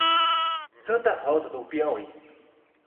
Santa Rosa do Piauí